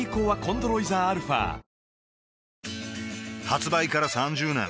発売から３０年